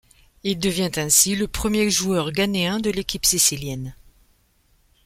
Il devient ainsi le premier joueur ghanéen de l'équipe sicilienne.